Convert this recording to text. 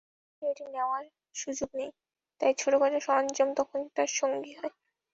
বিদেশে এটি নেওয়ার সুযোগ নেই, তাই ছোটখাটো সরঞ্জাম তখন তাঁর সঙ্গী হয়।